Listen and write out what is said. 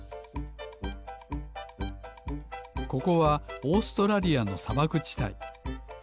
ここはオーストラリアのさばくちたい。